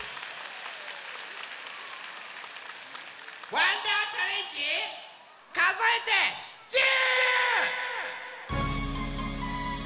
わんだーチャレンジかぞえて１０！